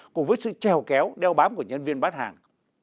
cùng với sự trèo kéo đeo bám của nhân viên bán hàng